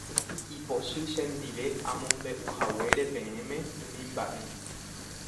Ipochy chendive amombe'uhaguére peẽme umi mba'e.